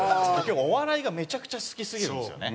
お笑いがめちゃくちゃ好きすぎるんですよね。